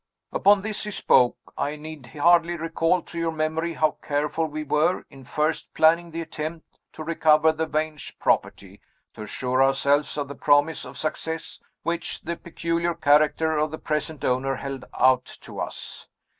"Upon this, he spoke. I need hardly recall to your memory how careful we were, in first planning the attempt to recover the Vange property, to assure ourselves of the promise of success which the peculiar character of the present owner held out to us.